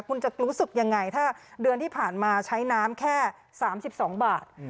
คุณจะรู้สึกยังไงถ้าเดือนที่ผ่านมาใช้น้ำแค่สามสิบสองบาทอืม